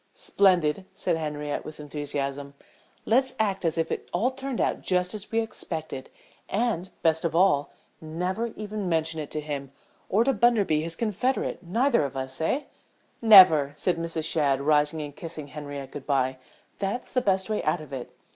"Splendid!" said Henriette, with enthusiasm. "Let's act as if all turned out just as we expected, and, best of all, never even mention it to him, or to Bunderby his confederate, neither of us, eh?" "Never!" said Mrs. Shadd, rising and kissing Henriette good bye. "That's the best way out of it.